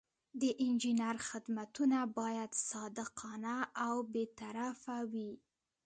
د انجینر خدمتونه باید صادقانه او بې طرفه وي.